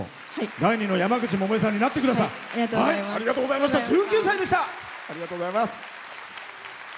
第２の山口さんになってください。